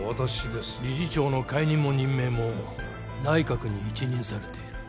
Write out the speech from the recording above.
理事長の解任も任命も内閣に一任されている。